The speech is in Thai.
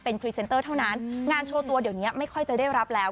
พรีเซนเตอร์เท่านั้นงานโชว์ตัวเดี๋ยวนี้ไม่ค่อยจะได้รับแล้ว